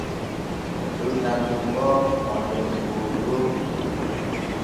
Ɓe lonnan nun bo onde lokooru ɗon.